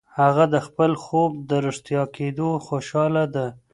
هغه د خپل خوب د رښتیا کېدو خوشاله ده.